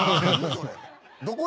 それ。